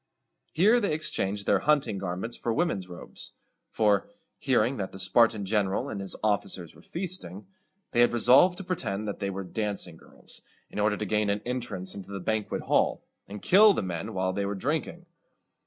Here they exchanged their hunting garments for women's robes; for, hearing that the Spartan general and his officers were feasting, they had resolved to pretend that they were dancing girls, in order to gain an entrance into the banquet hall, and kill the men while they were drinking.